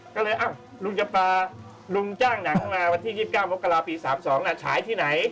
ก็เลยลุงจะปลาลุงจ้างหนังมาวันที่๒๙มกราปี๓๒ฉายที่ไหน